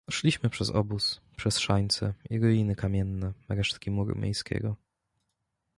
"Szliśmy przez obóz, przez szańce i ruiny kamienne, resztki muru miejskiego."